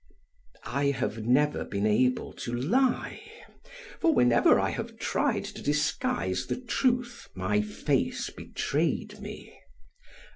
I have never been able to lie, for whenever I have tried to disguise the truth my face betrayed me.